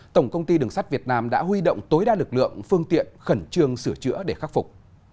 tổng công ty đường sắt việt nam đã huy động tối đa lực lượng phương tiện khẩn trương sửa chữa để khắc phục